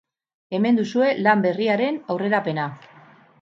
Hemen duzue lan berriaren aurrerapena.